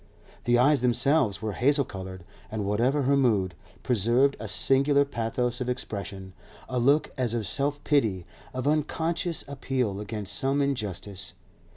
The eyes themselves were hazel coloured, and, whatever her mood, preserved a singular pathos of expression, a look as of self pity, of unconscious appeal against some injustice.